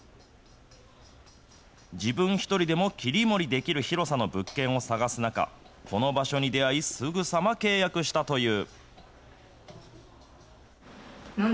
自分１人でも切り盛りできる広さの物件を探す中、この場所に出会い、すぐさま契約したという。